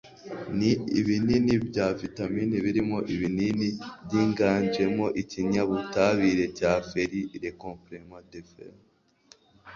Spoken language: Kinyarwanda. ni ibinini bya vitamini birimo ibinini byiganjemo ikinyabutabire cya feri (les compléments de fer)